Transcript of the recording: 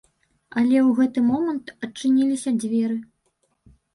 Але ў гэты момант адчыніліся дзверы.